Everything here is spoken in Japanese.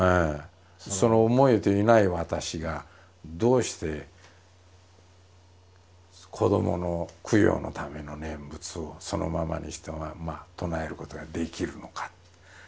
その思えていない私がどうして子どもの供養のための念仏をそのままにしたまんま唱えることができるのか。